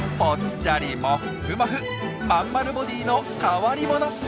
まんまるボディーの変わり者。